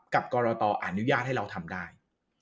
กรตอนุญาตให้เราทำได้